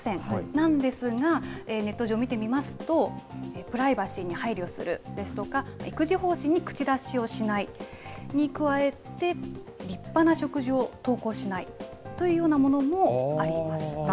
なんですが、ネット上を見てみますと、プライバシーに配慮するですとか、育児方針に口出しをしないに加えて、立派な食事を投稿しないというようなものもありました。